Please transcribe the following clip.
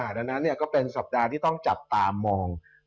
ดังนั้นก็เป็นสัปดาห์ที่ต้องจับตามอง